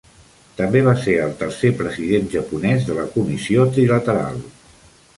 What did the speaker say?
També va ser el tercer president japonès de la Comissió Trilateral.